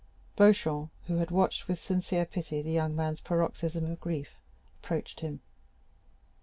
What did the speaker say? Beauchamp, who had watched with sincere pity the young man's paroxysm of grief, approached him.